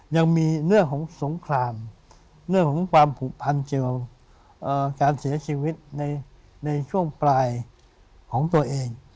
ยังมีเรื่องของสงครามเรื่องของความผูกพันเกี่ยวกับการเสียชีวิตในช่วงปลายของตัวเอง